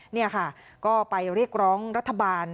นี่ค่ะก็ไปเรียกร้องรัฐบาล